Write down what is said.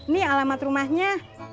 nih alamat rumahnya